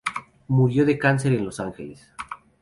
Murió de cáncer en Los Angeles.